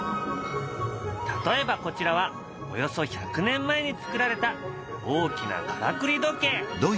例えばこちらはおよそ１００年前に作られた大きなからくり時計。